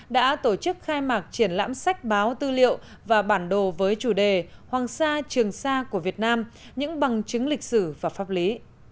đã tổ chức khai mạc triển lãm sách báo tư liệu và bản đồ với chủ đề hoàng sa trường sa của việt nam những bằng chứng lịch sử và pháp lý